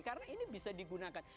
karena ini bisa digunakan